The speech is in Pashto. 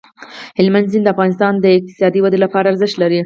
هلمند سیند د افغانستان د اقتصادي ودې لپاره ارزښت لري.